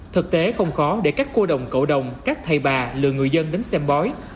thực tế không khó để các cô đồng cậu đồng các thầy bà lừa người dân đến xem bói